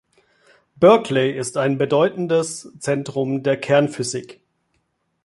Berkeley ist ein bedeutendes Zentrum der Kernphysik.